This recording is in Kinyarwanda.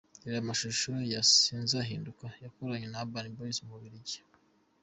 Reba amashusho ya 'Sinzahinduka' yakoranye na Urban boys mu Bubiligi .